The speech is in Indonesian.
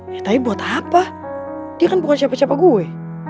ya tapi buat apa dia kan bukan siapa siapa gue